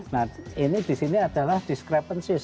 nah ini disini adalah discrepancies